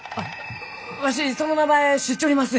わしその名前知っちょります！